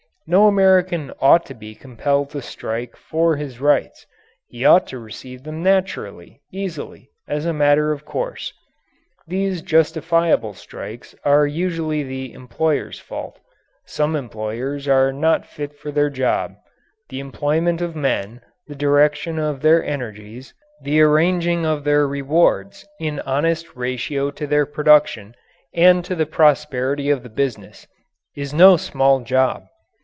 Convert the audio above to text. No American ought to be compelled to strike for his rights. He ought to receive them naturally, easily, as a matter of course. These justifiable strikes are usually the employer's fault. Some employers are not fit for their jobs. The employment of men the direction of their energies, the arranging of their rewards in honest ratio to their production and to the prosperity of the business is no small job.